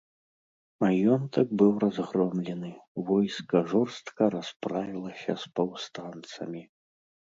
Маёнтак быў разгромлены, войска жорстка расправілася з паўстанцамі.